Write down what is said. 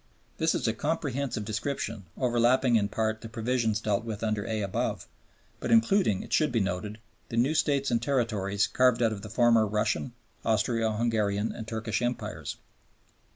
This is a comprehensive description, overlapping in part the provisions dealt with under (a) above, but including, it should be noted, the new States and territories carved out of the former Russian, Austro Hungarian, and Turkish Empires.